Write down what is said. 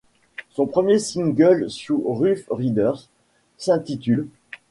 Son premier single sous Ruff Ryders s'intitule '.